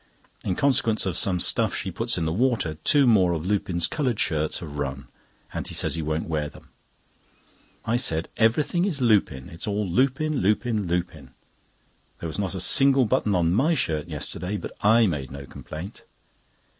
In consequence of some stuff she puts in the water, two more of Lupin's coloured shirts have run and he says he won't wear them." I said: "Everything is Lupin. It's all Lupin, Lupin, Lupin. There was not a single button on my shirt yesterday, but I made no complaint."